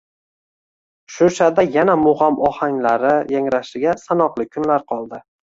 Shushada yana mug‘om ohanglari yangrashiga sanoqli kunlar qoldi